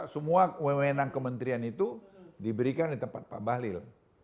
semua wewenang kementerian itu diberikan di tempat pak bahlil